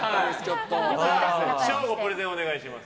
ショーゴ、プレゼンお願いします。